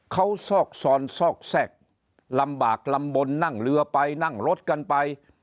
เขาซอกซอนซอกแทรกลำบากลำบลนั่งเรือไปนั่งรถกันไป